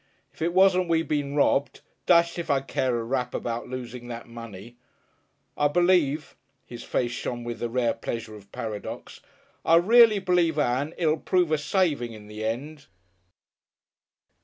If it wasn't we been robbed dashed if I'd care a rap about losing that money. I b'lieve" his face shone with the rare pleasure of paradox "I reely b'lieve, Ann, it'll prove a savin' in the end."